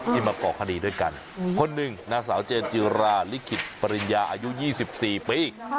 ที่มาก่อคดีด้วยกันคนหนึ่งนาสาวเจนจิราลิขิตปริญญาอายุยี่สิบสี่ปี